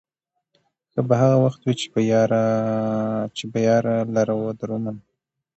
ښه به هغه وخت وي، چې به يار لره وردرومم